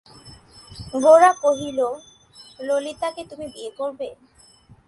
গোরা কহিল, ললিতাকে তুমি বিয়ে করবে?